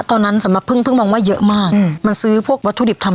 ตอนนั้นสำหรับพึ่งพึ่งมองว่าเยอะมากอืมมันซื้อพวกวัตถุดิบทำ